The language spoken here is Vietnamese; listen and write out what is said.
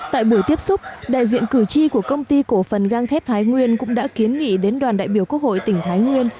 tại buổi tiếp xúc đại diện cử tri của công ty cổ phần gang thép thái nguyên cũng đã kiến nghị đến đoàn đại biểu quốc hội tỉnh thái nguyên